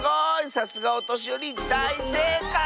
さすがおとしよりだいせいかい！